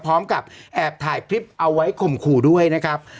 พร้อมกับแอบถ่ายคลิปเอาไว้ข่มขู่ด้วยนะครับ